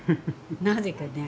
なぜかね。